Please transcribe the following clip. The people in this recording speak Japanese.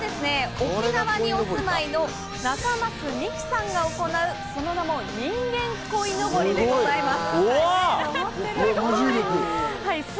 沖縄にお住まいの仲舛美希さんが行う、その名も人間こいのぼりでございます。